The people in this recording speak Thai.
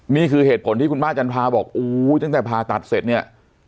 นี่คือเหตุผลที่คุณป้าจันทราบอกอู้วจากภาตัดเสร็จเนี่ย